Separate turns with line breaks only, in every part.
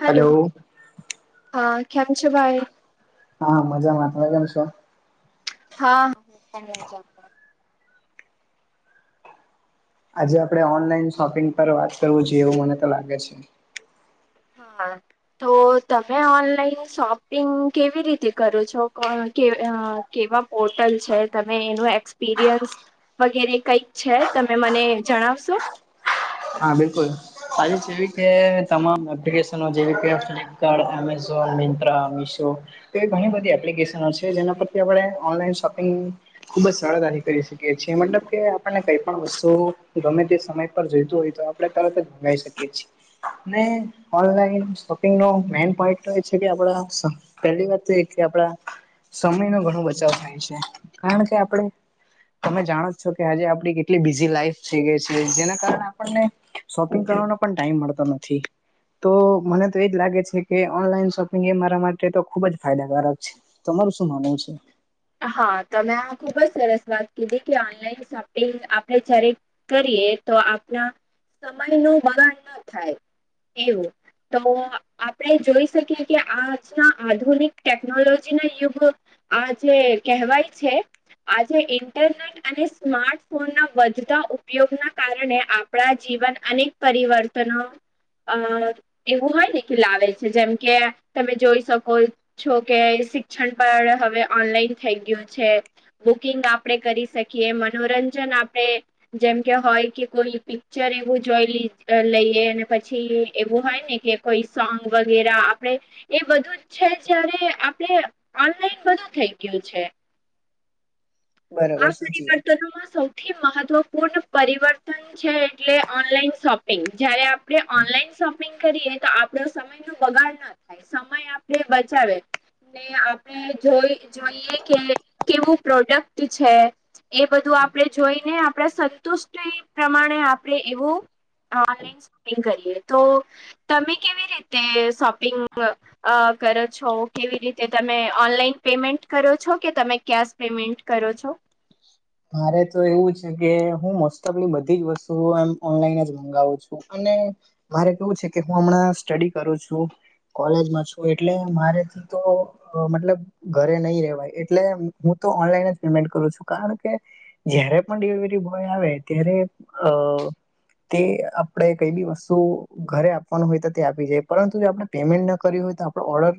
Hello હા કેમ છો ભાઈ
હા મજામાં તમે કેમ છો
હા હા
આજે આપણે ઓનલાઈન શોપિંગ પર વાત કરવું જોઈએ એવું મને તો લાગે છે
હા હા તો તમે ઓનલાઈન શોપિંગ કેવી રીતે કરો છો કે કેવા પોર્ટલ છે તમે એનું એક્સપિરિયન્સ વગેરે કઈક છે તમે મને જણાવશો
હા બિલકુલ સા જેવી કે તમામ એપ્લિકેશનો જેવી કે ફ્લિપકાર્ટ એમેઝોન મિંત્રા મિશો તો એ ઘણી બધી એપ્લિકેશનો છે, જેના પરથી આપણે ઓનલાઈન શોપિંગ ખુબ જ સરળતાથી કરી શકીએ છીએ મતલબ કે આપણને કઈ પણ વસ્સો ગમે તે સમય પર જોઈતો હોય. તો આપડણે તરત જ ભંગી શકીએ છીએ. ઓનલાઈન શોપિંગ ન મેન પોઈન્ટ તો એ છે કે આપડા પહેલી વાત તો એ કે આપણા સમય નો ઘણો બચાવ થાય છે, કારણ કે આપણે તમે જાણો છો કે આજે આપડી કેટલી બીઝી લાઈફ થઈ ગઈ છે, જેના કારણે આપને શોપિંગ કરવાનો પણ ટાઈમ મળતો નથી. તો મને તો એજ લાગે છે, કે ઓનલાઈન શોપિંગ એ મારા માટે તો ખુબ જ ફાયદાકારક છે. તમારુ શું માનવુ છે.
હા તમેં આ ખુબ જ સરસ વાત કીધી કે ઓનલાઈન શોપિંગ આપણે જ્યારે કરીએ તો આપણા સમય નું વગાણ ના થાય એવુ તો આપણે જોઈ શકીએ કે આજના આધુનિક ટેકનોલોજી ના યુગ આજે કહેવાય છે, આજે ઇન્ટરને અને સ્માર્ટફોન ના વધતા ઉપયોગ ના કારણે આપણા જીવન અને પરિવર્તનો અ એવું હોય ને કે લાવે છે, જેમ કે તમે જોઈ શકો જોકે શિક્ષણ પણ હવે ઓનલાઈન થઈ ગયુ છે. બુકિંગ આપણેે કરી શકીએ મનોરંજન આપણે જેમ કે હોય કે કોઈ પિક્ચર એવું જોઈ લઈએ અને પછી એવું હોય, ને કે કોઈ સોંગ વગેરે આપડે એ બધુ છે, જયારે આપણે ઓનલાઈન બધુ થઈ ગયું છે,
બરાબર
આ
સાચી વાત છે
પરિવર્તનોમાં સૌ સૌથી મહત્વપૂર્ણ પરિવર્તન છે એટલે ઓનલાઈન શોપિંગ જ્યારે આપણે ઓનલાઈન શોપિંગ કરીએ, તો આપડો સમય નો બગાડ ના થાય સમય આપણેે બચાવે આપણે જોઈ જોઈએ કે કેવું પ્રોડક્ટ છે. એ બધું આપણે જોઈને, આપણે સંતુષ્ટિ પ્રમાણે આપડણે એવુ ઓનલાઈન શોપિંગ કરીએ તો તમે કેવી રીતે શોપિંગ અ કરો છો કેવી રીતે તમે ઓનલાઈન પેમેન્ટ કરો છો કે તમે કેશ પેમેન્ટ કરો છો.
મારે તો એવું છે, કે હું મોસ્ટ ઓફલી બધી જ વસ્તુઓ એમ ઓનલાઈન જ મંગાવું છુ, અને મારે કેવુ છે, કે હુ હમણાં સ્ટડી કરું છુ. કોલેજમા છુ એટલે મારેથી તો મતલબ ઘરે નહી રેવાય એટલે હું તો ઓનલાઈન જ પેમેન્ટ કરું છુ કારણ કે જયારે પણ ડિલિવરી બોય આવે ત્યારે અ તે આપણે કઈ બી વસ્તુ ઘરે આપવાનું હોય તો તે આપી જાય પરંતુ જો આપણે પેમેન્ટ ન કરયુ હોય તો આપણો ઓર્ડર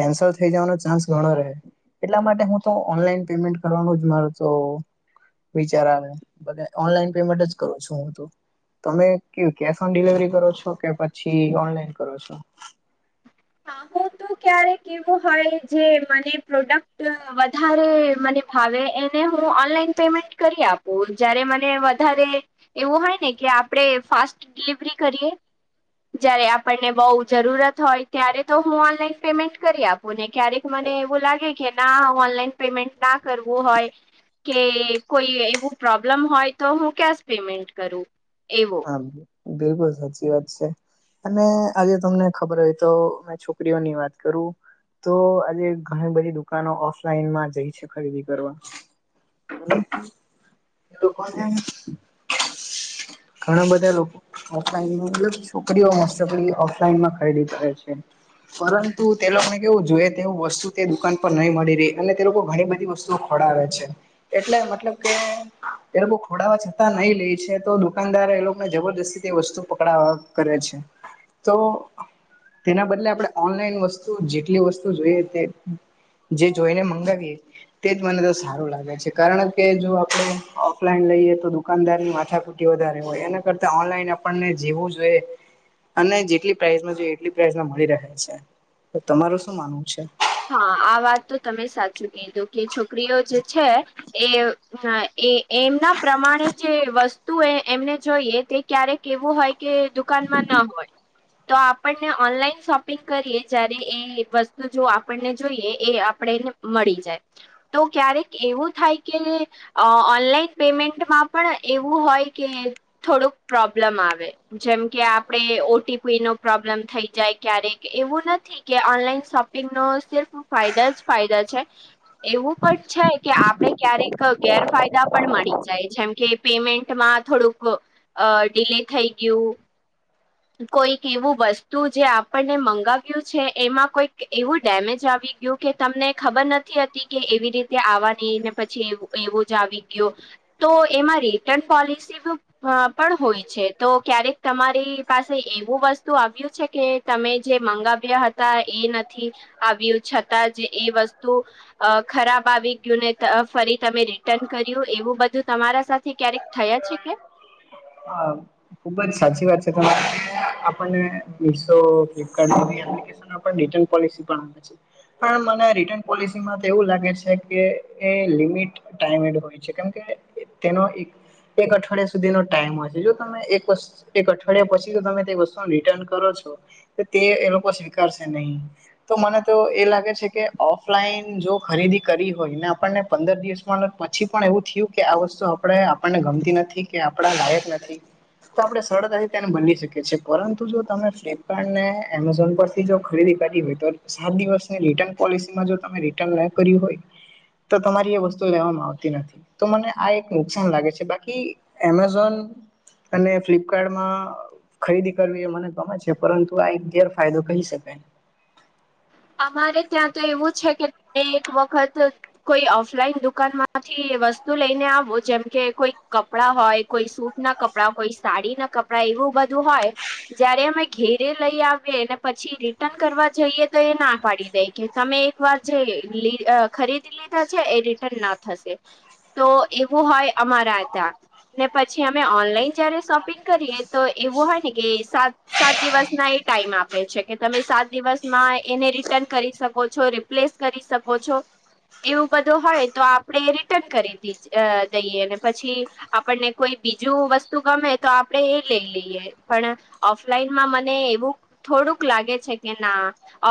કેન્સલ થઈ જવાનો ચાન્સ ઘણો રહે એટલા માટે હું તો ઓનલાઈન પેમેન્ટ કરવાનું જ માર તો વિચાર આવે ઓનલાઈન પેમેન્ટ જ કરુ છુ હુ, તુ તમે કેશ ઓન ડિલવરી કરો છો કે પછી ઓનલાઈન કરો છો.
હા હું તો ક્યારેક એવું હોય, જે મને પ્રોડક્ટ વધારે મને હવે એને હું ઓનલાઈન પેમેન્ટ કરી આપું જ્યારે મને વધારે એવું હોય ને કે આપડણે ફાસ્ટ ડિલિવરી કરીએ જયારે આપણને બહુ જરૂરત હોય. ત્યારે તો હું ઓનલાઈન પેમેન્ટ કરી આપું ને ક્યારેક મને એવું લાગે કે ના ઓનલાઈન પેમેન્ટ ના કરવુ હોય. કે કોઈ એવું પ્રોબ્લમ હોય, તો હું કેશ પેમેન્ટ કરું એવુ
હા બિલકુલ સાચી વાત છે. અને આજે તમને ખબર હોય, તો મે છોકરીઓની વાત કરુ તો આજે ઘણી બધી દુકાનો ઓફલાઈન માં જઈ છે, ખરીદી કરવા [unintelligible] ઘણા બધા લોકો ઓફલા મલબ છો, કરીઓસ્ટલી ઓફલાઈનમાં ખરીદી કરે છે. પરંતુ તે લોકોને કેવું જોઈએ તેવું વસ્તુ તે દુકાન પર નહી મળી રહી અને તે લોકો ઘણી બધી વસ્તુઓ ખોડાવે છે એટલે મતલબ કે એ લોકો ખોડાવા જતાં નહી લે છે તો દુકાનદાર એ લોકોને જબરજસ્તી વસ્તુ પકડવા કરે છે તો તેના બદલે આપણે ઓનલાઈન વસ્તુ જેટલી વસ્તુ જોઈએ તે જે જોઈને મંગાવીએ તે જ મને તો સારું લાગે છે કારણ કે જો આપડે ઓફલાઈન લઈએ તો દુકાનદારની માથા વધારે હોય એના કરતા ઓનલાઈન આપને જીવું જોઈએ અને જેટલી પ્રાઇસમાં જોઈએ એટલી પ્રાઇઝમાં મળી રહે છે તો તમારું શું માનવું છે?
હા આ વાત તો તમે સાચું કીધું કે છોકરીઓ જે છે એ હ એ એમના પ્રમાણે જે વસ્તુ એ એમને જોઈએ તે ક્યારેક કેવું હોય કે દુકાનમાં ના હોય તો આપણને ઓનલાઈન શોપિંગ કરીએ જયારે એ વસ્તુ જો આપણને જોઈએ એ આપણેને મળી જાય તો ક્યારેક એવું થાય કે અ ઓનલાઈન પેમેન્ટમાં પણ એવું હોય કે થોડુંક પ્રોબ્લમ આવે જેમ કે આપડે ઓટીપી નો પ્રોબ્લમ થઈ જાય ક્યારેક એવું નથી કે ઓનલાઈન શોપિંગ ન સિર્ફ ફાયદા જ ફાયદા છે એવું પણ છે કે આપડે ક્યારેક ગેરફાયદા પણ મળી જાય જેમ કે પેમેન્ટમાં થોડુંક અ ડીલે થઈ ગયું કોઈક એવું વસ્તુ જે આપણને મંગાવ્યું છે એમાં કોઈક એવું ડેમેજ આવી ગયું કે તમને ખબર નથી હતી કે એવી રીતે આવાની ને પછી એવું એવું જ આવી ગયું તો એમાં રિટર્ન પોલિસી અ પણ હોય છે તો ક્યારેક તમારી પાસે એવું વસ્તુ આવ્યું છે કે તમે જે મંગાવ્યા હતા એ નથી આવ્યું છતાં જે એ વસ્તુ અ ખરાબ આવી ગયું ને ફરી તમે રિટર્ન કર્યું એવું બધું તમારા સાથે ક્યારેક થયા છે કેમ
હા ખુબ જ સાચી વાત છે તમારે આપણને મીશો ફ્લિપકાર્ટ રિટર્ન પોલિસી પણ આવે છે પણ મને રિટર્ન પોલિસીમાં તો એવું લાગે છે કે એ લિમિટ ટડ હોય છે કેમ કે તેનો એક અઠવાડિયા સુધીનો ટાઈમ હોય છે તમે એક એક અઠવાડિયા પછી તો તમે તે વસ્તુ રિટર્ન કરો છો તો તે એનો કો સ્વીકારશે નહીિ તો મને તો એ લાગે છે કે ઓફલાઈન જો ખરીદી કરી હોય ને આપણને પંદર દિવસમાં પછી પણ એવું થયું કે આ વસ્તુ આપણે આપણને ગમતી નથી કે આપણા લાયક નથી તો આપણે સરળતાથી તેને બની શકીએ છીએ પરંતુ જો તમે ફ્લિપકાર્ટ ને એમેઝોન પરથી જો ખરીદી કરી હોય સાત દિવસની રિટર્ન પોલિસીમાં જો તમે રિટર્ન ના કર્યું હોય તો તમારી એ વસ્તુ લેવામાં આવતી નથી તો મને આ એક નુકસાન લાગે છે બાકી એમેઝોન અને ફ્લિપકાર્ટમાં ખરીદી કરવી એ મને ગમે છે પરંતુ આ એક ગેરફાયદો કહી શકાય
અમારે ત્યાં તો એવું છે કે એક વખત કોઈ ઓફલાઈન દુકાન માંથી વસ્તુ લઈને આવું જેમ કે કોઈ કપડા હોય કોઈ સૂટ ના કપડા કોઈ સાડી ના કપડા એવું બધું હોય જયારે અમે ઘેરે લઈ આવીએ ને પછી રિટર્ન કરવા જઈએ તો એ ના પાડી દે કે તમે એક વાર જે ખરીદી લીધા છે એ રિટર્ન ના થશે તો એવું હોય અમારા ત્યાં ને પછી અમે ઓનલાઈન જયારે શોપિંગ કરીએ તો એવું હોય ને કે સાત સાત દિવસ ના એ ટાઈમ આપે છે કે તમે સાત દિવસમાં એને રિટર્ન કરી શકો છો રિપ્લેસ કરી શકો છો એવું બધું હોય તો આપણે રિટર્ન કરી દ દઈએ અને પછી આપણને કોઈ બીજું વસ્તુ ગમે તો આપડે એ લઈ લઈએ પણ ઓફલાઈનમાં મને એવું થોડુંક લાગે છે કે ના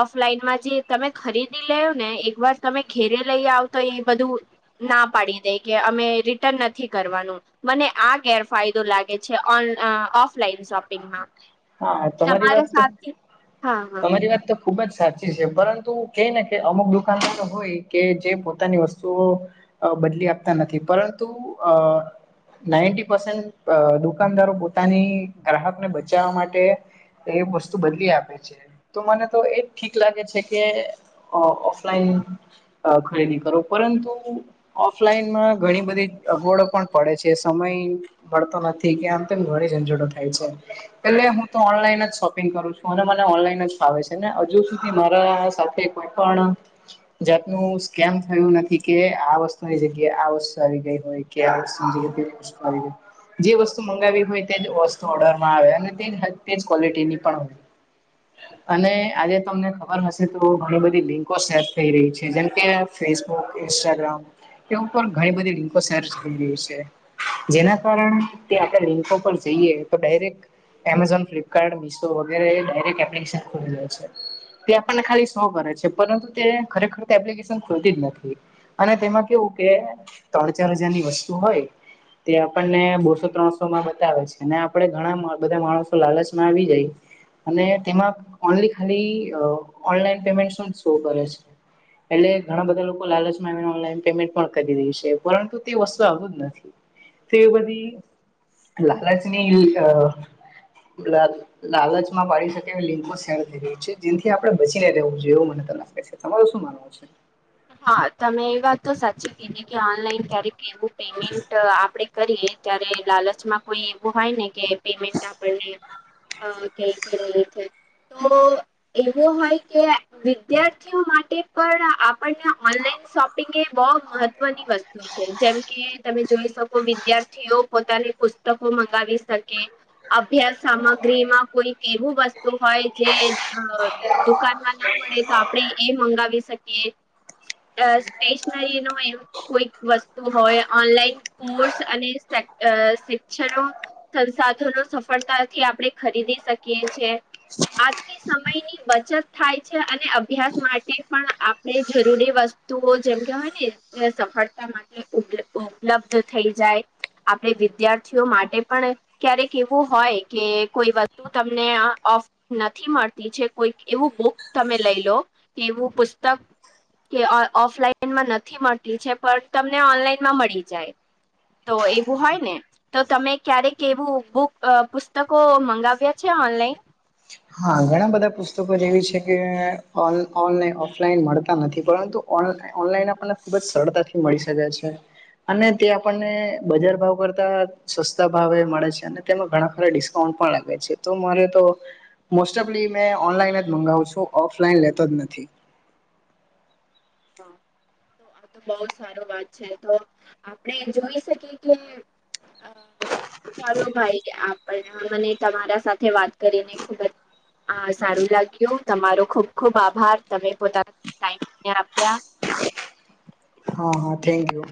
ઓફલાઈનમાં જે તમે ખરીદી લે્યો ને એક વાર તમે ઘેરે લઈ આવતો એ બધું ના પાડી દે કે અમે રિટર્ન નથી કરવાનું. મને આ ગેરફાયદો લાગે છેન ઓફલાઈન શોપિંગમાં
હા તમારી
તમારે
વાત તો
સાથે હા હા
તમારી વાત તો ખુબ જ સાચી છે પરંતુ કઈ ને કે અમુક દુકાનદારો હોય કે જે પોતાની વસ્તુઓ બદલી આપતા નથી પરંતુ અ નાઇન્ટી પસેન્ટ દુકાનદારો પોતાની ગ્રાહકને બચાવવા માટે એ વસ્તુ બદલી આપે છે. તો મને તો એજ ઠીક લાગે છે કે ઓફલાઈન ખરીદી કરો પરંતુ ઓફલાઈનમાં ઘણી બધી અગવડો પણ પડે છે સમય મળતો નથી કે આમ તેમ ઘણી ઝંઝટો થાય છે એટલે હ તો ઓનલાઈન જ શોપિંગ કરું છું અને મને ઓનલાઈન જ ફાવે છે ને હજુ સુધી મારા સાથે કોઈ પણ જાતનું સ્ કેમ થયું નથી કે આ વસ્તુની જગ્યાએ આ વસ્તુ આવી ગઈ હોય કે [inaudible] જે વસ્તુ મંગાવી હોય તેજ વસ્તુ ઓર્ડરમાં આવે અને તે તેજ ક્વોલિટીની પણ
હ [unintelligible]
અને આજે તમને ખબર હશે તો ઘણી બધી લિંકો સેટ થઈ રહી છે જેમકે ફેસબુક ઇન્સ્ટાગ્રામ એ ઉપર ઘણી બધી રિંકો સેચ થઈ રહી છે. જેના કારણે આપણે લિંકો પર જઈએ તો ડાયરેક એમેઝોન ફ્લિપકાર્ટ મિશો વગેરે ડાયરેક્ટ એપ્લિકેશન ખોલી દે છે. તે આપણને ખાલી શો કરે છે પરંતુ તે ખરેખર એપ્લિકેશન ખોલતી જ નથી. અને તેમાં કેવું કે ત્રણ ચાર હજારની વસ્તુ હોય તે આપણને બોસો ત્રણસો માં બતાવે છે અને આપે ઘણા બધા માણસો તો લાલચમાં આવી જાય અને તેમાં ઓનલી ખાલી ઓનલાઈન પેમેન્ટ શું શો કરે છે. એટલે ઘણા બધા લોકો લાલચમાંને ઓનલાઈન પેમેન્ટ પણ કરી રહી છે પરંતુ તે વસ્તુ આવું જ નથી. તો બધી લાલચની અ બક [inaudible] લાલચમાં પાડી શકે એવી લિંકો શે થઈ રહી છે જેથી આપડે બચીને રહેવું જોઈએ એવું મને તો લાગે છે તમાર શું ભ છે [inaudible]
હા તમે એ વાત તો સાચી કીધી કે ઓનલાઈન ક્યારેક એવું પેમેન્ટ આપણેે કરીએ ત્યારે લાલચમાં કોઈ એવું હોય ને કે પેમેન્ટ આપણને હા ક છે [unintelligible] તો એવો હોય કે વિદ્યાર્થીઓ માટે પણ આપણને ઓનલાઈન શોપિંગ એ બહુ મહત્વની વસ્તુ જેમકે તમે જોઈ શકો વિદ્યાર્થીઓ પોતાની પુસ્તકો મંગાવી શકે અભ્યાસ સામગ્રીમાં કોઈક એવું વસ્તુ હોય જે અ દુકાનમાં ના મળે તો આપણેે એ મંગાવી શકીએ અ સ્ટેશનરી નો એવમ કોઈક વસ્તુ હોય ઓનલાઈન કોર્સ અને શિક્ષણો સંસાધનો સફળતાથી આપણે ખરીદી શકીએ છે. આજથી સમયની બચત થાય છે અને અભ્યાસ માટે પણ એ જરૂરી વસ્તુઓ જેમ કેવાય ને એ સફળતા માટે ઉપલબ્ધ થઈ જાય આપણે વિદ્યાર્થીઓ માટે પણ ક્યારેક એવું હોય કે કોઈ વસ્તુ તમને આફ નથી મળતી છે કોઈક એવું બુક તમે લઈ લો કે એવું પુસ્તક કે ઓફલાઈનમાં નથી મળતી છે પણ તમને ઓનલાઈનમાં મળી જાય તો એવું હોય ને તો તમે ક્યારેક એવું બુક પુસ્તકો મંગાવ્યા છે ઓનલાઈન?
હા ઘણા બધા પુસ્તકો જેવી છે કેન ઓફલાઈન મળતા નથી પરંતુ ઓ ઓનલાઈન આપણને ખુબ જ સરળતાથી મળી શકે છે અને તે આપણને બજાર ભાવ કરતા સસ્તા ભાવ એ મળે છે અને તેમાં ઘણા ખરા ડિસ્કાઉન્ટ પણ લાગે છે તો મારે તો મોસ્ટ ઓફલી મેં ઓનલાઈન જ મગાવું છું ઓફલાઈન લેતો જ નથી
[inaudible] આ તો બહ સારો વાત છે તો આપણે જોઈ શકીએ કે ચાલો ભાઈ આપ મને તમારા સાથે વાત કરીને ખુબ જ આ સારું લાગ્યું તમારો ખુબ ખુબ આભાર તમે પોતાનો ટાઈમ આપ્યા
હા હા થેન્ક યુ